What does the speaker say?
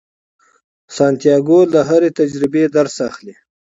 سانتیاګو له هرې تجربې درس اخلي.